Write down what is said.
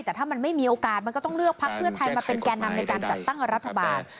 แต่ถ้ามันไม่มีโอกาสมันก็ต้องเลือกพักเพื่อไทยมาเป็นแก่นำในการจัดตั้งรัฐบาล